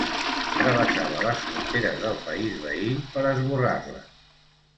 Travessava les fronteres del país veí per esborrar-les.